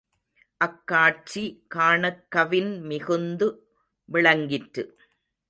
அக் காட்சி காணக் கவின் மிகுந்து விளங்கிற்று.